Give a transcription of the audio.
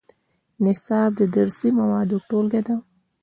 نصاب د درسي موادو ټولګه ده